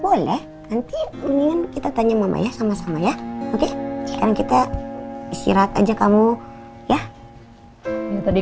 boleh nanti mendingan kita tanya mama ya sama sama ya oke sekarang kita istirahat aja kamu ya daripada